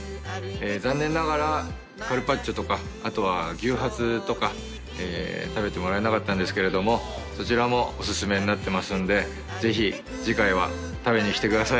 残念ながらカルパッチョとかあとは牛ハツとか食べてもらえなかったんですけれどもそちらもお薦めになってますんでぜひ次回は食べに来てください。